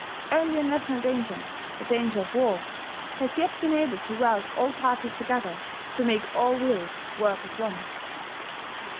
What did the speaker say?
Only a national danger the danger of war, has yet been able to weld all parties together, to make all wills work as one.